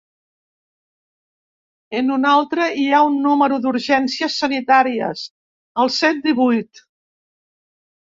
En un altre hi ha un número d'urgències sanitàries: el cent divuit.